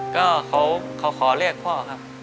ก็เขาขอเรียกพ่อครับ